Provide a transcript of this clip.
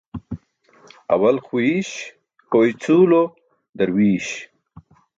Awal xwiiś, ho icʰuulo darwiiś.